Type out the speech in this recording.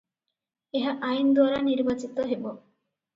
ଏହା ଆଇନଦ୍ୱାରା ନିର୍ବାଚିତ ହେବ ।